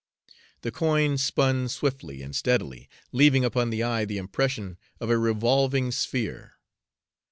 The coin spun swiftly and steadily, leaving upon the eye the impression of a revolving sphere.